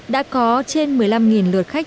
đã có trên một mươi năm lượt khách